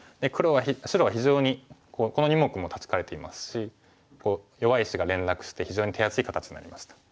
白は非常にこの２目も断たれていますし弱い石が連絡して非常に手厚い形になりました。